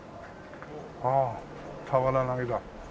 ああ俵投げだ。